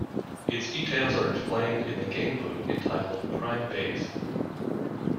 Its details are explained in the game book entitled Prime Base.